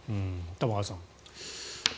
玉川さん。